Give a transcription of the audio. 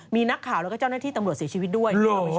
มีนักข่าวแล้วก็เจ้าหน้าที่ตำรวจเสียชีวิตด้วย